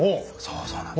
そうなんです！